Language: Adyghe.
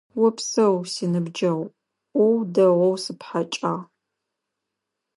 Опсэу, си ныбджэгъу, Ӏоу дэгъоу сыпхьэкӀагъ.